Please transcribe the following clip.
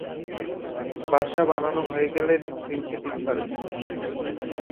বাসা বানানো হয়ে গেলে তিনটি ডিম পাড়ে।